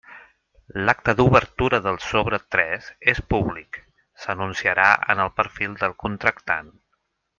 L'acte d'obertura del sobre tres és públic, s'anunciarà en el perfil del contractant.